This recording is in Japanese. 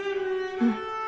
うん。